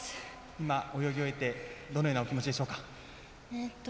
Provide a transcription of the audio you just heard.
今、泳ぎ終えてどのようなお気持ちでしょうか。